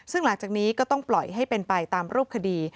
ซึ่งหลังจากนี้ก็ต้องปล่อยให้เป็นไปตามรูปคดี